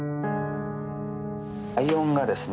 ライオンがですね